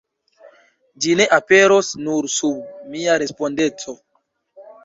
Ĝi ne aperos nur sub mia respondeco.